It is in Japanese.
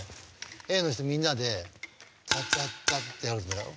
Ａの人みんなでタタッタってやるんだよ。